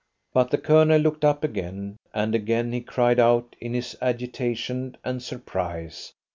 But the Colonel looked up again, and again he cried out in his agitation and surprise.